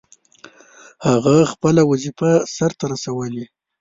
هغه خپله وظیفه سرته رسولې.